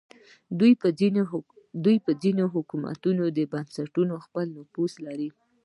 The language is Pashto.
دوی پر ځینو حکومتي بنسټونو خپل نفوذ لري